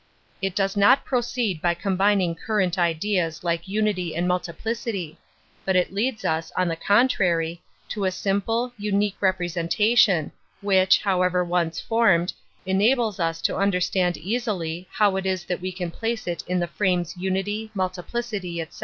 It does not proceed by combining current ideas like unity and multiplicity; hut it leads us, on the contrary, to a simple, unique representation, which, however once vformed, enables us to understand easily how pt is that we can place it in the frames fcnity, multiplicity, etc.